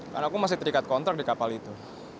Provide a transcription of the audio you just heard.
karena aku masih terikat kontrak di kapal itu